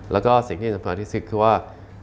แล้วก็สิ่งที่ผมคำถามอธิษฐิกษ์คือว่า